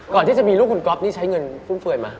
ก่อนที่จะมีลูกคุณก๊อปใช้เงินเฟื่อยมั้ย